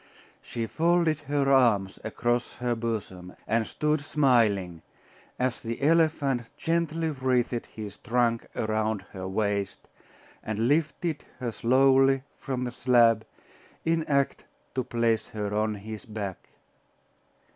She folded her arms across her bosom, and stood smiling, as the elephant gently wreathed his trunk around her waist, and lifted her slowly from the slab, in act to place her on his back....